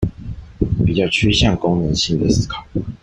比較趨向功能性的思考